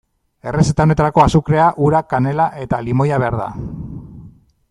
Errezeta honetarako azukrea, ura, kanela eta limoia behar da.